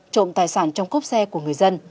trộm tài sản trong cốc xe của người dân